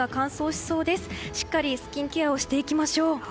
しっかりスキンケアをしていきましょう。